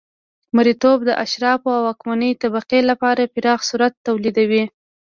مریتوب د اشرافو او واکمنې طبقې لپاره پراخ ثروت تولیدوي